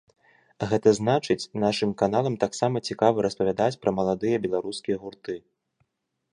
Гэта значыць, нашым каналам таксама цікава распавядаць пра маладыя беларускія гурты.